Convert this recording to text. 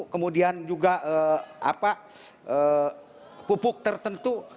kemudian juga pupuk tertentu